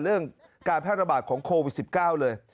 เรื่องการแพร่ระบาดของโควิด๑๙เลย